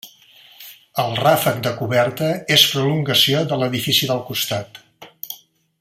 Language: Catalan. El ràfec de coberta és prolongació de l'edifici del costat.